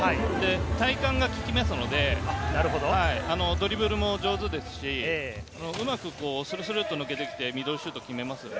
体幹が効きますので、ドリブルも上手ですし、うまくスルスルっと抜けてミドルシュートを決めますね。